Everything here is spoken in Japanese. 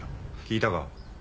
聞いたか？